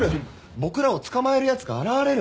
僕らを捕まえるやつが現れる。